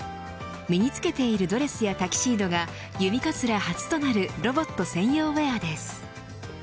身に着けているドレスやタキシードがユミカツラ初となるロボット専用ウエアです。